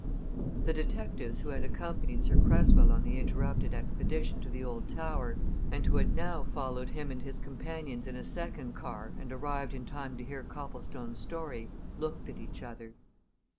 The detectives who had accompanied Sir Cresswell on the interrupted expedition to the old tower and who had now followed him and his companions in a second car and arrived in time to hear Copplestone's story, looked at each other.